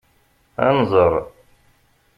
Ad nẓer.